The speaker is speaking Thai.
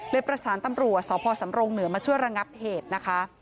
เรียบรักษาตำรวจสสำรงเหนือมาช่วยระงับเหตุนะคะ